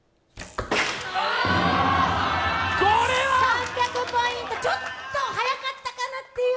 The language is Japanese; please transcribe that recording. ３００ポイント、ちょっと早かったかなという。